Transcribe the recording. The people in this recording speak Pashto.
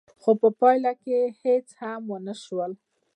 خو په پايله کې هېڅ هم ونه شول.